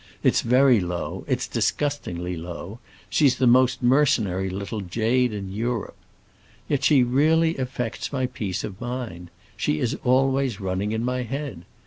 It's very low, it's disgustingly low. She's the most mercenary little jade in Europe. Yet she really affects my peace of mind; she is always running in my head.